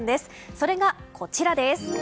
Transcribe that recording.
それが、こちらです。